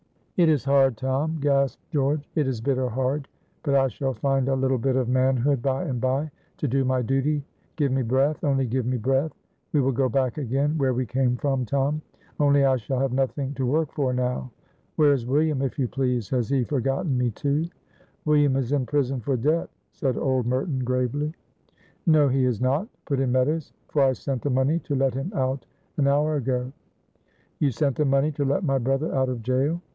"It is hard, Tom," gasped George; "it is bitter hard; but I shall find a little bit of manhood by and by to do my duty. Give me breath! only give me breath! We will go back again where we came from, Tom; only I shall have nothing to work for now. Where is William, if you please? Has he forgotten me, too?" "William is in prison for debt," said old Merton, gravely. "No, he is not," put in Meadows, "for I sent the money to let him out an hour ago." "You sent the money to let my brother out of jail?